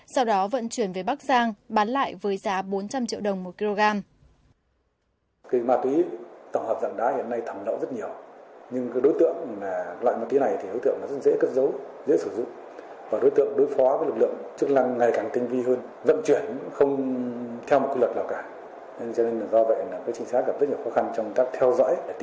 sau đó vận chuyển về bắc giang bán lại với giá bốn trăm linh triệu đồng một kg